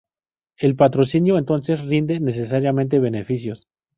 El patrocinio, entonces, rinde necesariamente beneficios.